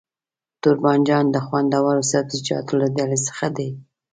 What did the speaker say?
توربانجان د خوندورو سبزيجاتو له ډلې څخه دی.